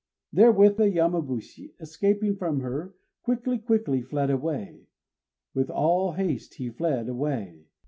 _" Therewith the Yamabushi, escaping from her, quickly, quickly fled away; with all haste he fled away.